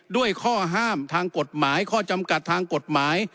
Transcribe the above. ด้วยข้อห้ามทางกฎหมายข้อจำกัดทางกฎหมาย